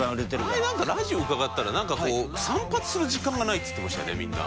前なんかラジオ伺ったらなんかこう「散髪する時間がない」っつってましたよねみんな。